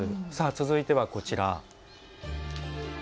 続いては、こちら。